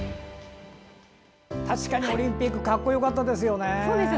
確かにオリンピック格好よかったですよね。